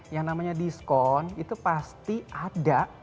yang namanya diskon itu pasti ada